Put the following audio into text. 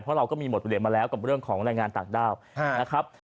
เพราะเราก็มีหมดเรียนมาแล้วกับเรื่องของแรงงานต่างด้าวนะครับ